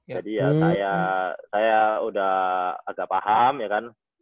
jadi ya saya udah agak paham ya kan